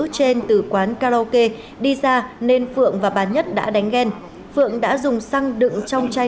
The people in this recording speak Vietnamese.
trên từ quán karaoke đi ra nên phượng và bà nhất đã đánh ghen phượng đã dùng xăng đựng trong chai